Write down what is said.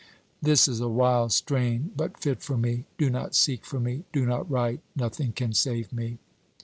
This is a wild strain, but fit for me: do not seek for me, do not write: nothing can save me."